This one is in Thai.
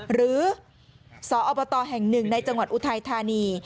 หรือสอบตแห่งหนึ่งในจังหวัดอุทัยธานี